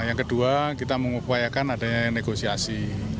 yang kedua kita mengupayakan adanya negosiasi